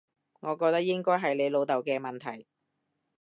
我覺得應該係你老豆嘅問題